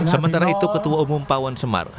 sementara itu ketua umum pawon semar